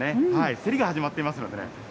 競りが始まっていますのでね。